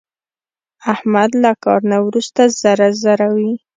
احمد له کار نه ورسته ذره ذره وي.